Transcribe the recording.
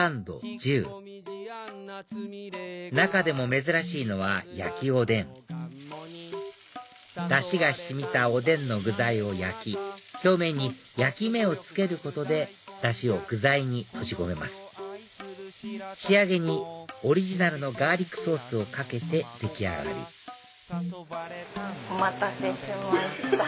十中でも珍しいのは焼きおでんダシが染みたおでんの具材を焼き表面に焼き目をつけることでダシを具材に閉じ込めます仕上げにオリジナルのガーリックソースをかけて出来上がりお待たせしました。